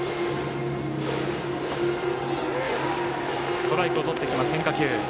ストライクをとってきます変化球。